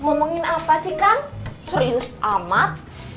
ngomongin apa sih kang serius amat